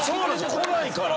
来ないから。